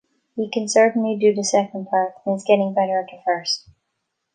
He can certainly do the second part and is getting better at the first.